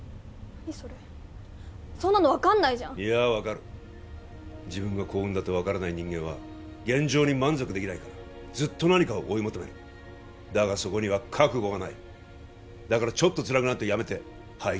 何それそんなの分かんないじゃんいや分かる自分が幸運だと分からない人間は現状に満足できないからずっと何かを追い求めるだがそこには覚悟がないだからちょっとつらくなるとやめてはい